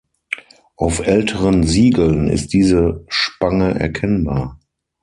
Auf älteren Siegeln ist diese Spange erkennbar.